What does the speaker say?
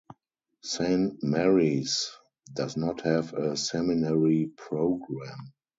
Saint Mary's does not have a seminary program.